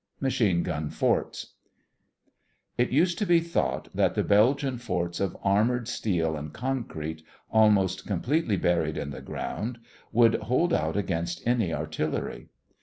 MACHINE GUN FORTS It used to be thought that the Belgian forts of armored steel and concrete, almost completely buried in the ground, would hold out against any artillery.